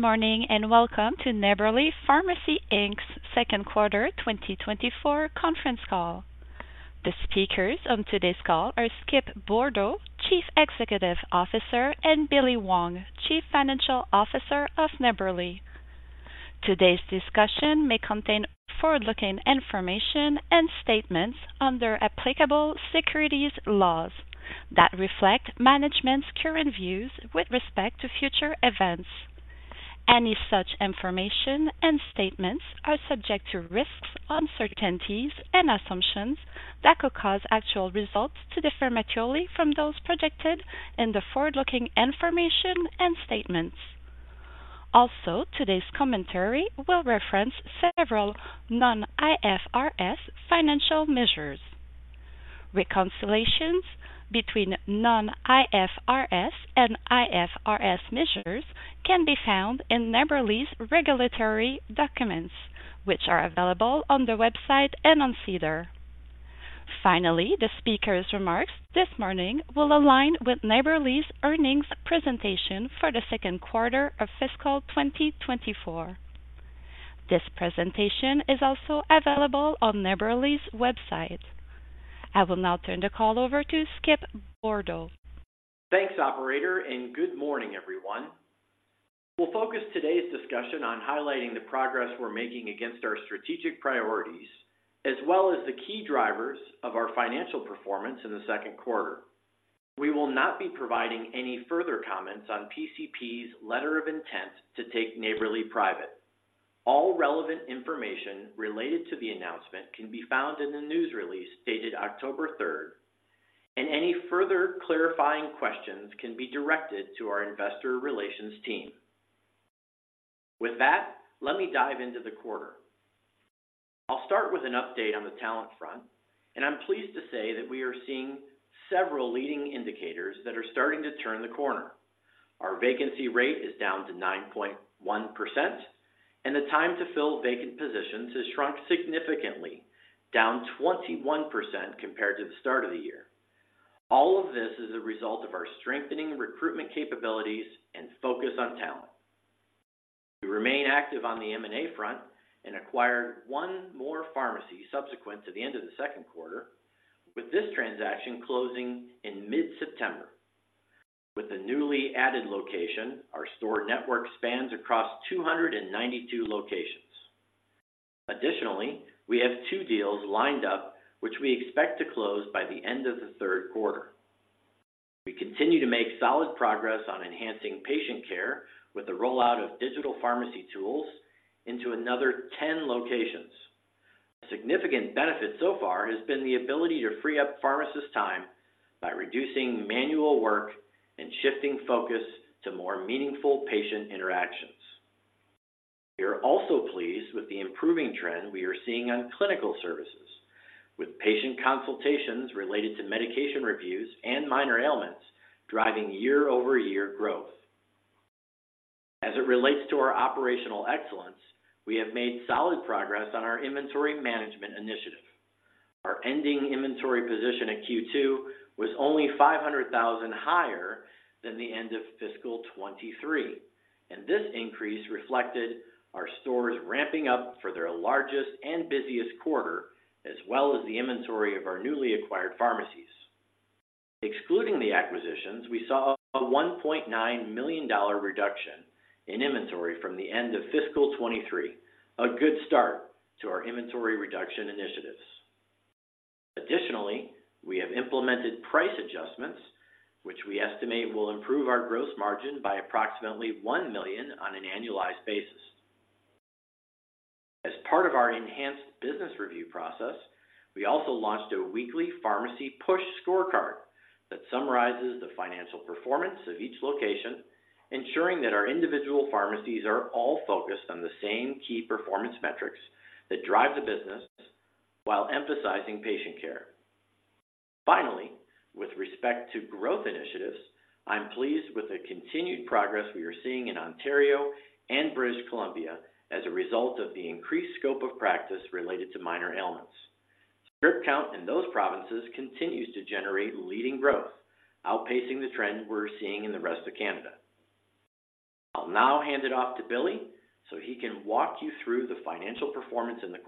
Good morning, and welcome to Neighbourly Pharmacy Inc's Second Quarter 2024 Conference Call. The speakers on today's call are Skip Bourdo, Chief Executive Officer, and Billy Wong, Chief Financial Officer of Neighbourly. Today's discussion may contain forward-looking information and statements under applicable securities laws that reflect management's current views with respect to future events. Any such information and statements are subject to risks, uncertainties, and assumptions that could cause actual results to differ materially from those projected in the forward-looking information and statements. Also, today's commentary will reference several non-IFRS financial measures. Reconciliations between non-IFRS and IFRS measures can be found in Neighbourly's regulatory documents, which are available on the website and on SEDAR. Finally, the speaker's remarks this morning will align with Neighbourly's earnings presentation for the second quarter of fiscal 2024. This presentation is also available on Neighbourly's website. I will now turn the call over to Skip Bourdo. Thanks, operator, and good morning, everyone. We'll focus today's discussion on highlighting the progress we're making against our strategic priorities, as well as the key drivers of our financial performance in the second quarter. We will not be providing any further comments on PCP's letter of intent to take Neighbourly private. All relevant information related to the announcement can be found in the news release dated October 3rd, and any further clarifying questions can be directed to our Investor Relations team. With that, let me dive into the quarter. I'll start with an update on the talent front, and I'm pleased to say that we are seeing several leading indicators that are starting to turn the corner. Our vacancy rate is down to 9.1%, and the time to fill vacant positions has shrunk significantly, down 21% compared to the start of the year. All of this is a result of our strengthening recruitment capabilities and focus on talent. We remain active on the M&A front and acquired one more pharmacy subsequent to the end of the second quarter, with this transaction closing in mid-September. With the newly added location, our store network spans across 292 locations. Additionally, we have two deals lined up, which we expect to close by the end of the third quarter. We continue to make solid progress on enhancing patient care with the rollout of digital pharmacy tools into another 10 locations. Significant benefit so far has been the ability to free up pharmacists' time by reducing manual work and shifting focus to more meaningful patient interactions. We are also pleased with the improving trend we are seeing on clinical services, with patient consultations related to medication reviews and minor ailments driving year-over-year growth. As it relates to our operational excellence, we have made solid progress on our inventory management initiative. Our ending inventory position at Q2 was only 500,000 higher than the end of fiscal 2023, and this increase reflected our stores ramping up for their largest and busiest quarter, as well as the inventory of our newly acquired pharmacies. Excluding the acquisitions, we saw a 1.9 million dollar reduction in inventory from the end of fiscal 2023, a good start to our inventory reduction initiatives. Additionally, we have implemented price adjustments, which we estimate will improve our gross margin by approximately 1 million on an annualized basis. As part of our enhanced business review process, we also launched a weekly pharmacy push scorecard that summarizes the financial performance of each location, ensuring that our individual pharmacies are all focused on the same key performance metrics that drive the business while emphasizing patient care. Finally, with respect to growth initiatives, I'm pleased with the continued progress we are seeing in Ontario and British Columbia as a result of the increased scope of practice related to minor ailments. Script count in those provinces continues to generate leading growth, outpacing the trend we're seeing in the rest of Canada. I'll now hand it off to Billy so he can walk you through the financial performance in the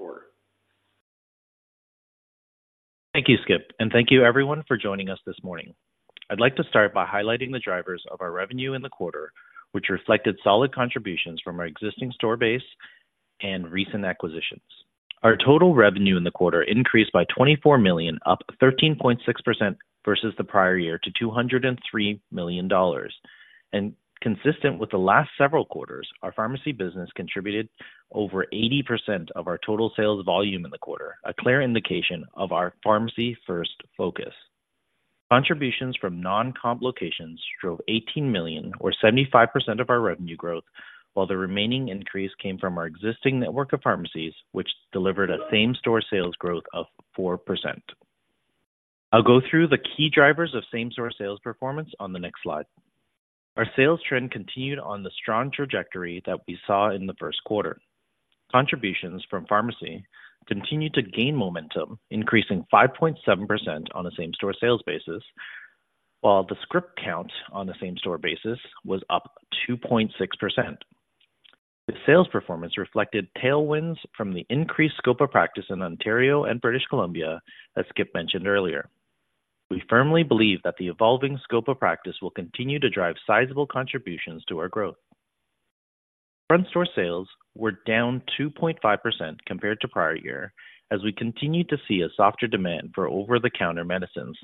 quarter. Thank you, Skip, and thank you everyone for joining us this morning. I'd like to start by highlighting the drivers of our revenue in the quarter, which reflected solid contributions from our existing store base and recent acquisitions. Our total revenue in the quarter increased by 24 million, up 13.6% versus the prior year, to 203 million dollars. Consistent with the last several quarters, our pharmacy business contributed over 80% of our total sales volume in the quarter, a clear indication of our pharmacy-first focus. Contributions from non-comp locations drove 18 million, or 75% of our revenue growth, while the remaining increase came from our existing network of pharmacies, which delivered a same-store sales growth of 4%. I'll go through the key drivers of same-store sales performance on the next slide. Our sales trend continued on the strong trajectory that we saw in the first quarter. Contributions from pharmacy continued to gain momentum, increasing 5.7% on a same-store sales basis, while the script count on the same-store basis was up 2.6%. The sales performance reflected tailwinds from the increased scope of practice in Ontario and British Columbia, as Skip mentioned earlier. We firmly believe that the evolving scope of practice will continue to drive sizable contributions to our growth. Front store sales were down 2.5% compared to prior year, as we continued to see a softer demand for over-the-counter medicines.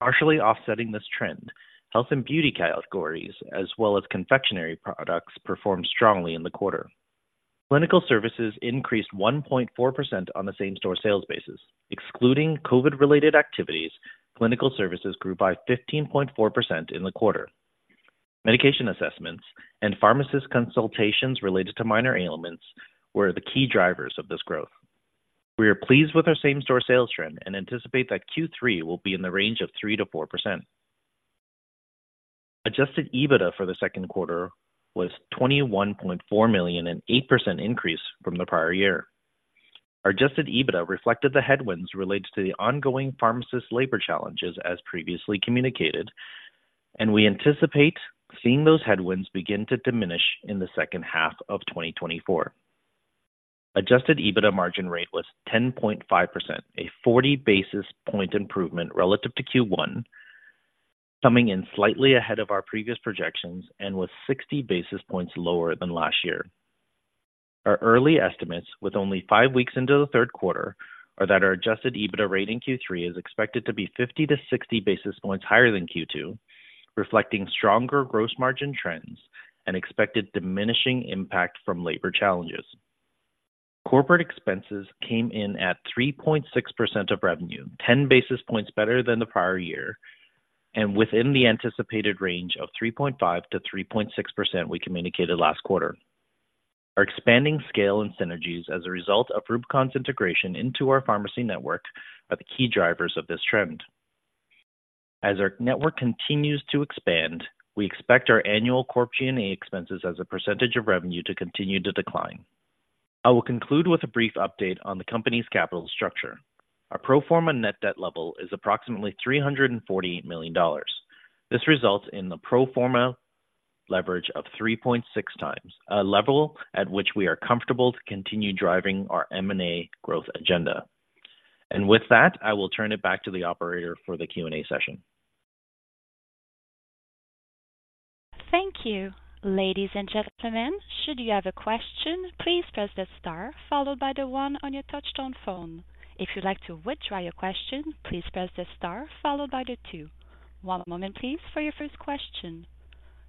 Partially offsetting this trend, health and beauty categories, as well as confectionery products, performed strongly in the quarter. Clinical services increased 1.4% on the same-store sales basis. Excluding COVID-related activities, clinical services grew by 15.4% in the quarter. Medication assessments and pharmacist consultations related to minor ailments were the key drivers of this growth. We are pleased with our same-store sales trend and anticipate that Q3 will be in the range of 3%-4%. Adjusted EBITDA for the second quarter was 21.4 million, an 8% increase from the prior year. Our adjusted EBITDA reflected the headwinds related to the ongoing pharmacist labor challenges, as previously communicated, and we anticipate seeing those headwinds begin to diminish in the second half of 2024. Adjusted EBITDA margin rate was 10.5%, a forty basis point improvement relative to Q1, coming in slightly ahead of our previous projections, and was 60 basis points lower than last year. Our early estimates, with only five weeks into the third quarter, are that our adjusted EBITDA rate in Q3 is expected to be 50-60 basis points higher than Q2, reflecting stronger gross margin trends and expected diminishing impact from labor challenges. Corporate expenses came in at 3.6% of revenue, 10 basis points better than the prior year, and within the anticipated range of 3.5%-3.6% we communicated last quarter. Our expanding scale and synergies as a result of Rubicon's integration into our pharmacy network are the key drivers of this trend. As our network continues to expand, we expect our annual corp G&A expenses as a percentage of revenue to continue to decline. I will conclude with a brief update on the company's capital structure. Our pro forma net debt level is approximately 348 million dollars. This results in the pro forma leverage of 3.6x, a level at which we are comfortable to continue driving our M&A growth agenda. With that, I will turn it back to the operator for the Q&A session. Thank you. Ladies and gentlemen, should you have a question, please press the star followed by the one on your touchtone phone. If you'd like to withdraw your question, please press the star followed by the two. One moment, please, for your first question.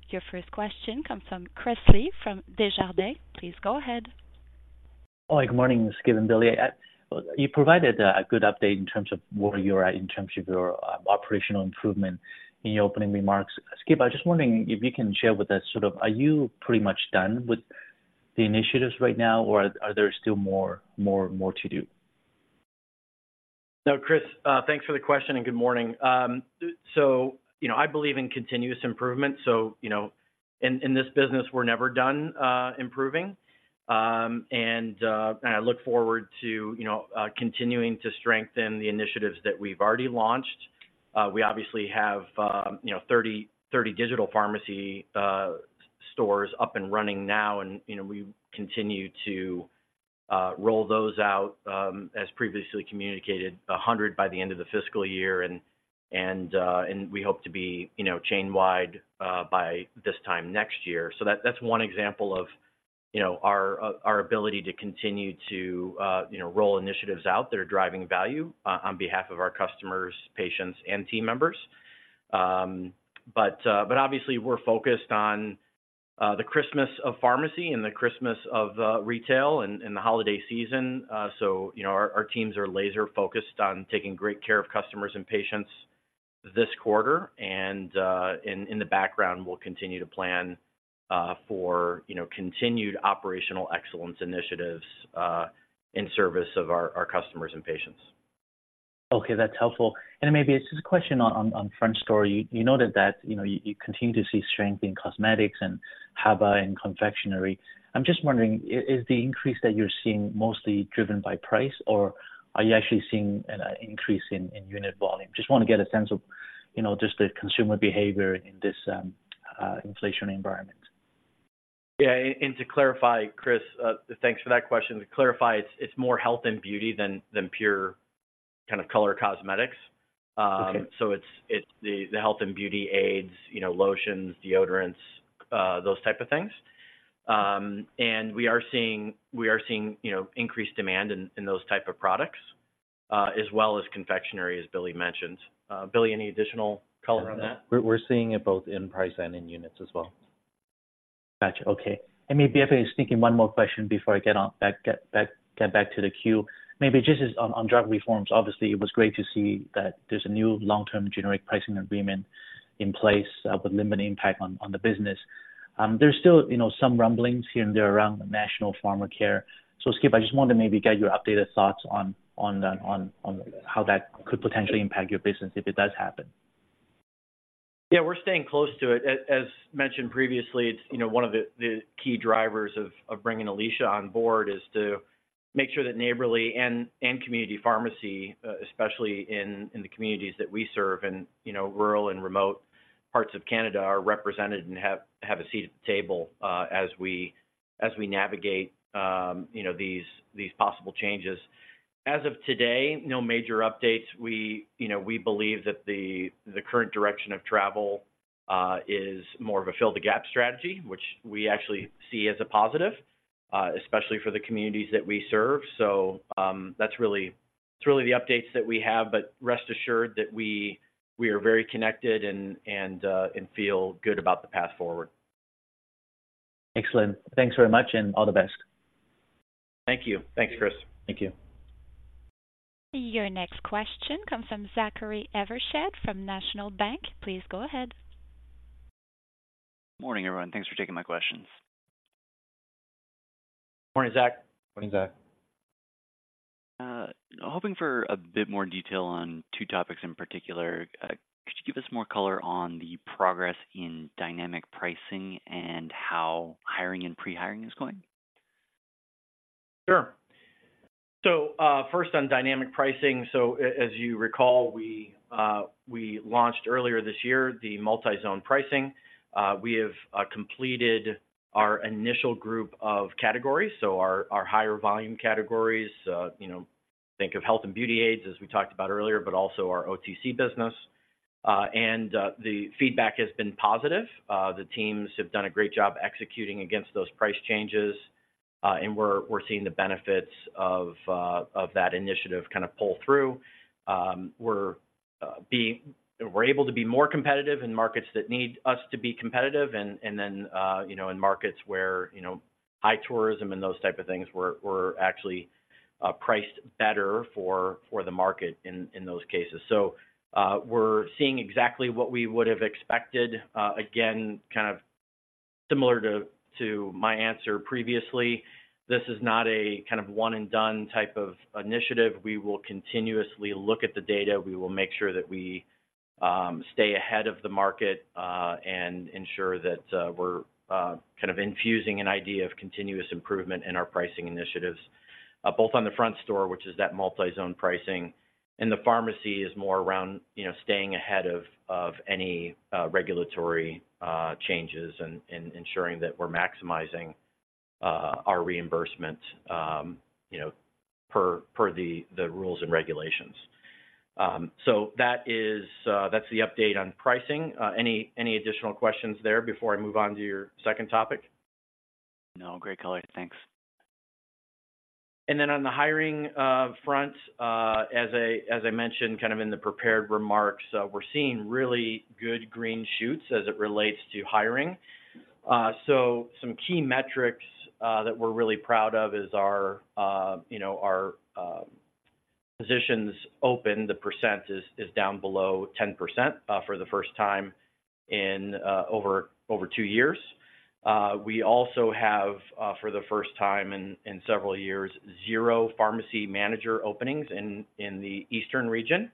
Your first question comes from Chris Li from Desjardins. Please go ahead. Hi, good morning, Skip and Billy. You provided a good update in terms of where you're at, in terms of your operational improvement in your opening remarks. Skip, I was just wondering if you can share with us, sort of, are you pretty much done with the initiatives right now, or are there still more to do? So, Chris, thanks for the question, and good morning. So, you know, I believe in continuous improvement, so, you know, in this business, we're never done improving. And I look forward to, you know, continuing to strengthen the initiatives that we've already launched. We obviously have, you know, 30 digital pharmacy stores up and running now, and, you know, we continue to roll those out, as previously communicated, 100 by the end of the fiscal year, and we hope to be, you know, chain-wide, by this time next year. So that, that's one example of, you know, our ability to continue to, you know, roll initiatives out that are driving value on behalf of our customers, patients, and team members. But obviously, we're focused on the Christmas of pharmacy and the Christmas of retail and the holiday season. So you know, our teams are laser-focused on taking great care of customers and patients this quarter, and in the background, we'll continue to plan for, you know, continued operational excellence initiatives in service of our customers and patients. Okay, that's helpful. And maybe just a question on front store. You noted that, you know, you continue to see strength in cosmetics and HBA and confectionery. I'm just wondering, is the increase that you're seeing mostly driven by price, or are you actually seeing an increase in unit volume? Just want to get a sense of, you know, just the consumer behavior in this inflation environment. Yeah, and to clarify, Chris, thanks for that question. To clarify, it's more health and beauty than pure kind of color cosmetics. Okay. So it's the health and beauty aids, you know, lotions, deodorants, those type of things. And we are seeing you know, increased demand in those type of products, as well as confectionery, as Billy mentioned. Billy, any additional color on that? We're seeing it both in price and in units as well. Gotcha. Okay. And maybe if I can sneak in one more question before I get back to the queue. Maybe just on drug reforms. Obviously, it was great to see that there's a new long-term generic pricing agreement in place with limited impact on the business. There's still, you know, some rumblings here and there around the national pharmacare. So, Skip, I just wanted to maybe get your updated thoughts on how that could potentially impact your business if it does happen. Yeah, we're staying close to it. As mentioned previously, it's, you know, one of the key drivers of bringing Alicia on board, is to make sure that Neighbourly and community pharmacy, especially in the communities that we serve in, you know, rural and remote parts of Canada, are represented and have a seat at the table, as we navigate, you know, these possible changes. As of today, no major updates. We, you know, we believe that the current direction of travel is more of a fill-the-gap strategy, which we actually see as a positive, especially for the communities that we serve. So, that's really the updates that we have, but rest assured that we are very connected and feel good about the path forward. Excellent. Thanks very much, and all the best. Thank you. Thanks, Chris. Thank you. Your next question comes from Zachary Evershed from National Bank. Please go ahead. Morning, everyone. Thanks for taking my questions. Morning, Zach. Morning, Zach. Hoping for a bit more detail on two topics in particular. Could you give us more color on the progress in dynamic pricing and how hiring and pre-hiring is going? Sure. So, first, on dynamic pricing, so as you recall, we launched earlier this year, the multi-zone pricing. We have completed our initial group of categories, so our higher volume categories. You know, think of health and beauty aids, as we talked about earlier, but also our OTC business. And the feedback has been positive. The teams have done a great job executing against those price changes, and we're seeing the benefits of that initiative kind of pull through. We're able to be more competitive in markets that need us to be competitive, and then, you know, in markets where, you know, high tourism and those type of things, we're actually priced better for the market in those cases. So, we're seeing exactly what we would have expected. Again, kind of similar to my answer previously, this is not a kind of one-and-done type of initiative. We will continuously look at the data. We will make sure that we stay ahead of the market and ensure that we're kind of infusing an idea of continuous improvement in our pricing initiatives. Both on the front store, which is that multi-zone pricing, and the pharmacy is more around, you know, staying ahead of any regulatory changes and ensuring that we're maximizing our reimbursement, you know, per the rules and regulations. So that is, that's the update on pricing. Any additional questions there before I move on to your second topic? No. Great color. Thanks. And then on the hiring front, as I mentioned, kind of in the prepared remarks, we're seeing really good green shoots as it relates to hiring. So some key metrics that we're really proud of is our, you know, our positions open, the percent is down below 10%, for the first time in over two years. We also have, for the first time in several years, zero pharmacy manager openings in the eastern region,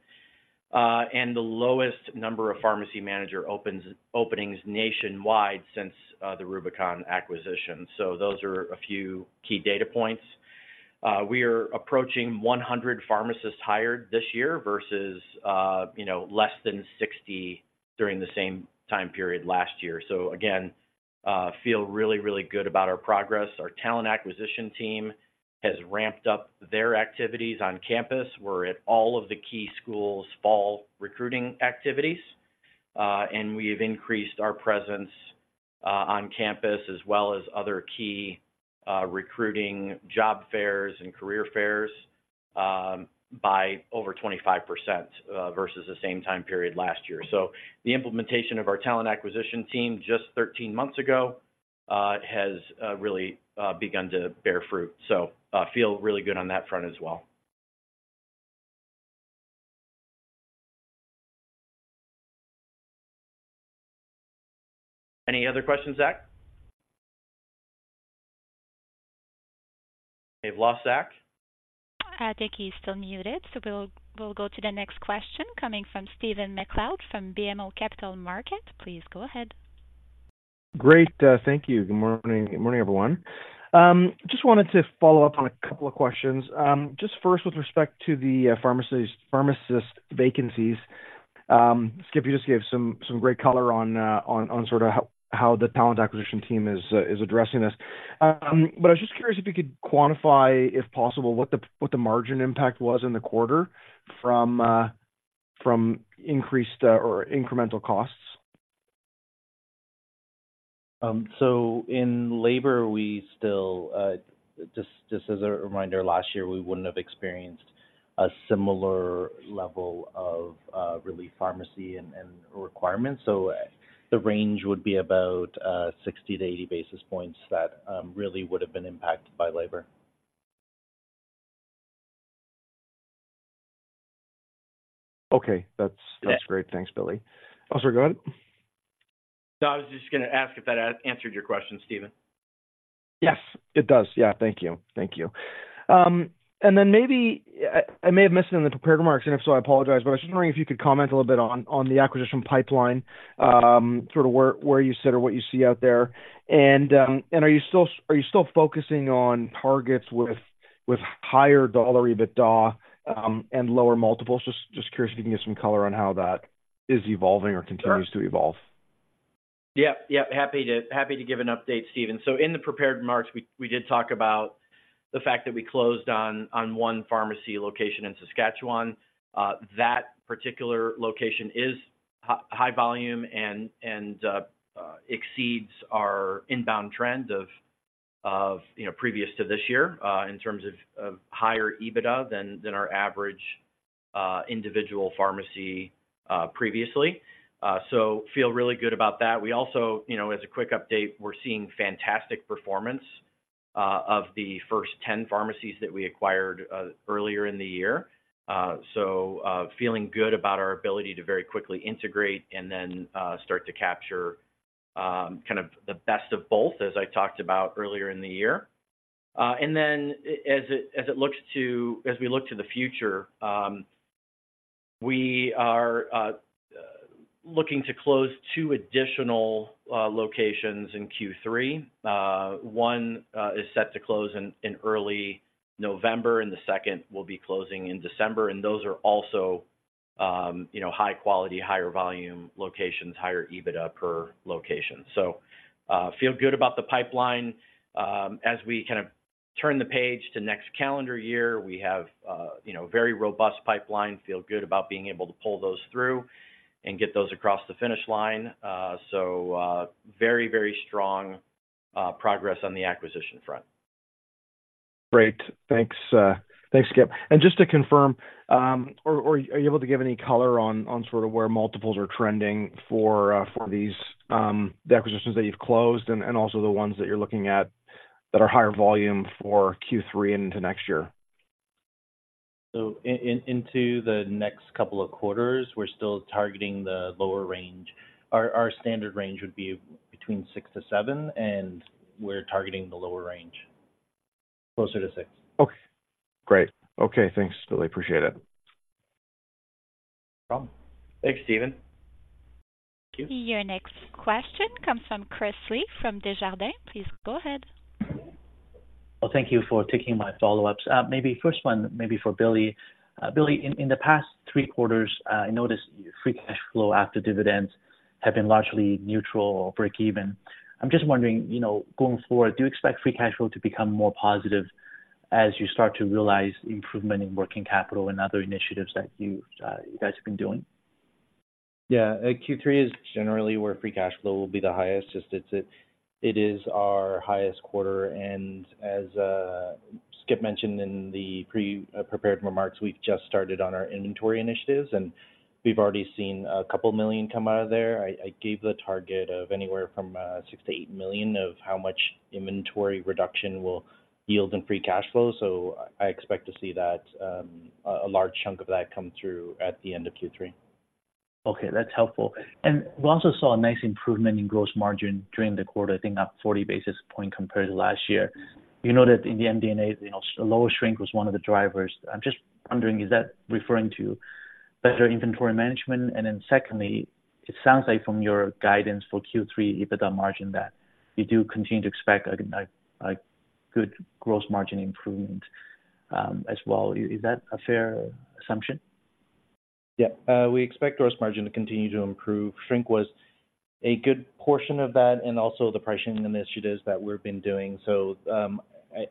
and the lowest number of pharmacy manager openings nationwide since the Rubicon acquisition. So those are a few key data points. We are approaching 100 pharmacists hired this year versus, you know, less than 60 during the same time period last year. So again, feel really, really good about our progress. Our talent acquisition team has ramped up their activities on campus. We're at all of the key schools' fall recruiting activities, and we've increased our presence, on campus, as well as other key, recruiting job fairs and career fairs, by over 25%, versus the same time period last year. So the implementation of our talent acquisition team just 13 months ago, has, really, begun to bear fruit. So, feel really good on that front as well. Any other questions, Zach? We've lost Zach. I think he's still muted, so we'll, we'll go to the next question coming from Stephen MacLeod, from BMO Capital Markets. Please go ahead. Great. Thank you. Good morning. Good morning, everyone. Just wanted to follow up on a couple of questions. Just first, with respect to the pharmacist vacancies. Skip, you just gave some great color on sort of how the talent acquisition team is addressing this. But I was just curious if you could quantify, if possible, what the margin impact was in the quarter from increased or incremental costs. So in labor, we still just as a reminder, last year, we wouldn't have experienced a similar level of relief pharmacy and requirements. So the range would be about 60-80 basis points that really would have been impacted by labor. Okay. That's great. Thanks, Billy. Oh, sorry, go ahead. No, I was just gonna ask if that answered your question, Stephen? Yes, it does. Yeah, thank you. Thank you. And then maybe I may have missed it in the prepared remarks, and if so, I apologize, but I was just wondering if you could comment a little bit on the acquisition pipeline, sort of where you sit or what you see out there. And are you still focusing on targets with higher dollar EBITDA and lower multiples? Just curious if you can give some color on how that is evolving or continues to evolve. Yeah. Yep, happy to give an update, Stephen. So in the prepared remarks, we did talk about the fact that we closed on one pharmacy location in Saskatchewan. That particular location is high volume and exceeds our inbound trend of, you know, previous to this year, in terms of higher EBITDA than our average individual pharmacy previously. So feel really good about that. We also, you know, as a quick update, we're seeing fantastic performance of the first 10 pharmacies that we acquired earlier in the year. So feeling good about our ability to very quickly integrate and then start to capture kind of the best of both, as I talked about earlier in the year. And then, as we look to the future, we are looking to close two additional locations in Q3. One is set to close in early November, and the second will be closing in December, and those are also, you know, high quality, higher volume locations, higher EBITDA per location. So, feel good about the pipeline. As we kind of turn the page to next calendar year, we have, you know, very robust pipeline. Feel good about being able to pull those through and get those across the finish line. So, very, very strong progress on the acquisition front. Great. Thanks, thanks, Skip. And just to confirm, are you able to give any color on sort of where multiples are trending for these the acquisitions that you've closed and also the ones that you're looking at that are higher volume for Q3 into next year? So into the next couple of quarters, we're still targeting the lower range. Our standard range would be between 6% to 7%, and we're targeting the lower range, closer to 6%. Okay, great. Okay, thanks, Billy. Appreciate it. No problem. Thanks, Stephen. Your next question comes from Chris Li from Desjardins. Please go ahead. Well, thank you for taking my follow-ups. Maybe first one, maybe for Billy. Billy, in the past three quarters, I noticed free cash flow after dividends have been largely neutral or breakeven. I'm just wondering, you know, going forward, do you expect free cash flow to become more positive as you start to realize improvement in working capital and other initiatives that you've, you guys have been doing? Yeah, Q3 is generally where free cash flow will be the highest. Just, it's, it is our highest quarter and as, Skip mentioned in the pre, prepared remarks, we've just started on our inventory initiatives, and we've already seen a couple million come out of there. I, I gave the target of anywhere from, 6 million to 8 million of how much inventory reduction will yield in free cash flow. So I expect to see that, a large chunk of that come through at the end of Q3. Okay, that's helpful. We also saw a nice improvement in gross margin during the quarter, I think up 40 basis points compared to last year. You know that in the MD&A, you know, lower shrink was one of the drivers. I'm just wondering, is that referring to better inventory management? And then secondly, it sounds like from your guidance for Q3 EBITDA margin, that you do continue to expect a good gross margin improvement, as well. Is that a fair assumption? Yeah, we expect gross margin to continue to improve. Shrink was a good portion of that and also the pricing initiatives that we've been doing. So,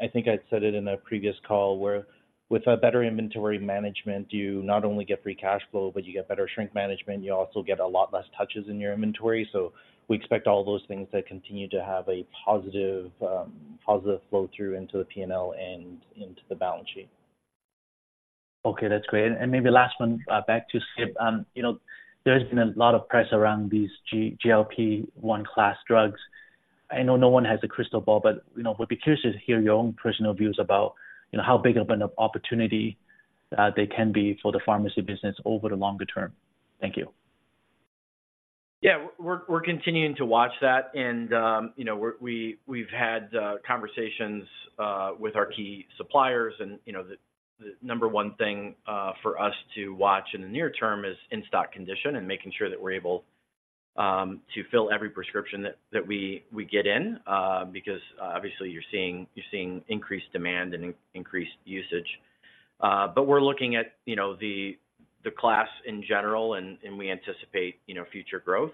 I think I said it in a previous call, where with a better inventory management, you not only get free cash flow, but you get better shrink management. You also get a lot less touches in your inventory. So we expect all those things to continue to have a positive, positive flow through into the P&L and into the balance sheet. Okay, that's great. And maybe last one, back to Skip. You know, there's been a lot of press around these GLP-1 class drugs. I know no one has a crystal ball, but, you know, we'd be curious to hear your own personal views about, you know, how big of an opportunity they can be for the pharmacy business over the longer term. Thank you. Yeah, we're continuing to watch that. And, you know, we've had conversations with our key suppliers. And, you know, the number one thing for us to watch in the near term is in-stock condition and making sure that we're able to fill every prescription that we get in. Because, obviously, you're seeing increased demand and increased usage. But we're looking at, you know, the class in general and we anticipate, you know, future growth.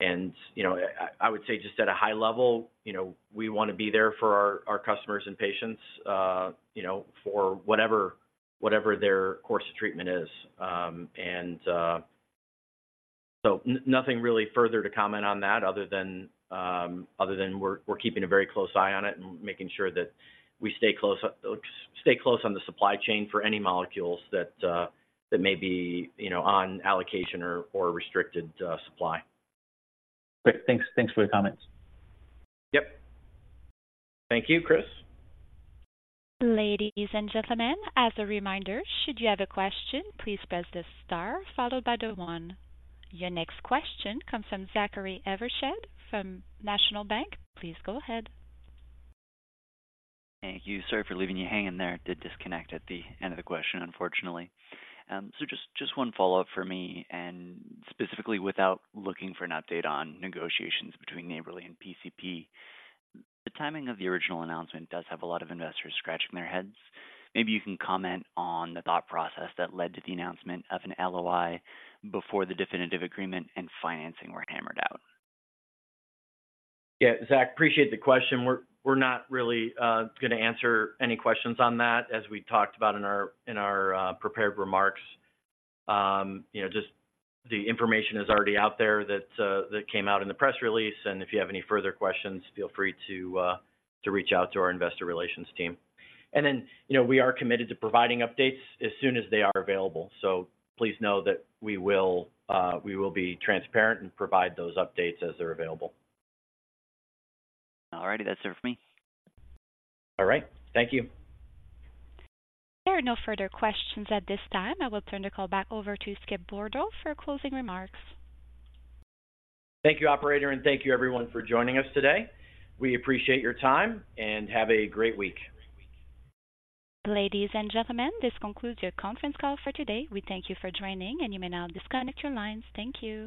And, you know, I would say just at a high level, you know, we want to be there for our customers and patients, you know, for whatever their course of treatment is. Nothing really further to comment on that other than we're keeping a very close eye on it and making sure that we stay close on the supply chain for any molecules that may be, you know, on allocation or restricted supply. Great. Thanks. Thanks for the comments. Yep. Thank you, Chris. Ladies and gentlemen, as a reminder, should you have a question, please press the star followed by the one. Your next question comes from Zachary Evershed from National Bank. Please go ahead. Thank you, sorry for leaving you hanging there. It did disconnect at the end of the question, unfortunately. So just one follow-up for me, and specifically without looking for an update on negotiations between Neighbourly and PCP. The timing of the original announcement does have a lot of investors scratching their heads. Maybe you can comment on the thought process that led to the announcement of an LOI before the definitive agreement and financing were hammered out. Yeah, Zach, appreciate the question. We're, we're not really going to answer any questions on that, as we talked about in our, in our prepared remarks. You know, just the information is already out there that that came out in the press release, and if you have any further questions, feel free to to reach out to our investor relations team. And then, you know, we are committed to providing updates as soon as they are available. So please know that we will we will be transparent and provide those updates as they're available. All righty. That's it for me. All right. Thank you. There are no further questions at this time. I will turn the call back over to Skip Bourdo for closing remarks. Thank you, operator, and thank you everyone for joining us today. We appreciate your time, and have a great week. Ladies and gentlemen, this concludes your conference call for today. We thank you for joining, and you may now disconnect your lines. Thank you.